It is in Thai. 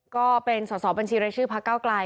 ก็เป็นสอบบัญชีรายชื่อพลักษณ์ก้าวกลาย